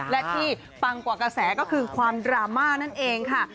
และที่ปังกว่ากระแสก็คือความดราม่านั่นเองค่ะ